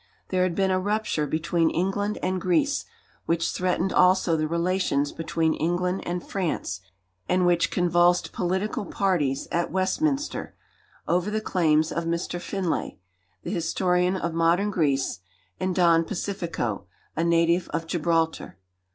There had been a rupture between England and Greece, which threatened also the relations between England and France, and which convulsed political parties at Westminster, over the claims of Mr. Finlay, the historian of modern Greece, and Don Pacifico, a native of Gibraltar.